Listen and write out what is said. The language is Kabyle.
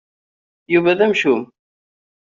Yuba d amcum.